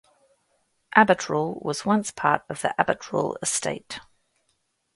Abbotrule was once part of the Abbotrule Estate.